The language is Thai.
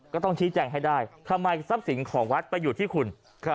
ก็ต้องชี้แจงให้ได้ทำไมทรัพย์สินของวัดไปอยู่ที่คุณ